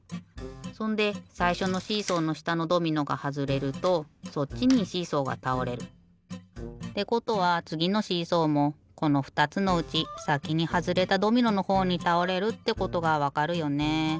そんでさいしょのシーソーのしたのドミノがはずれるとそっちにシーソーがたおれる。ってことはつぎのシーソーもこのふたつのうちさきにはずれたドミノのほうにたおれるってことがわかるよね。